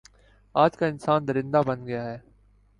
آج کا انسان درندہ بن گیا ہے